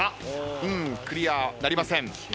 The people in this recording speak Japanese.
うんクリアなりません。